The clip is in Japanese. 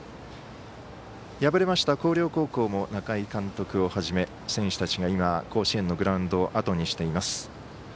敗れました広陵高校も中井監督をはじめ選手たちが今、甲子園のグラウンドをあとにしています。